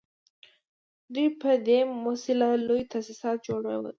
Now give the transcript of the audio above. دوی په دې وسیله لوی تاسیسات جوړوي